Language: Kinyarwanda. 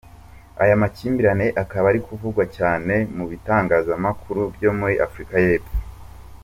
Aya makimbirane akaba ari kuvugwa cyane mu bitangazamakuru byo muri Afurika y’Epfo.